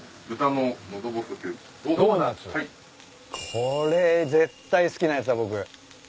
これ絶対好きなやつだ僕。